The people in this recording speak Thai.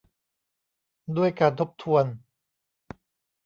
ด้วยการทบทวน